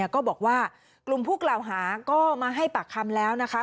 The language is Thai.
ก็บอกว่ากลุ่มผู้กล่าวหาก็มาให้ปากคำแล้วนะคะ